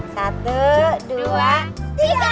satu dua tiga